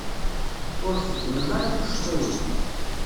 Ur txeddmem ara tuccḍiwin.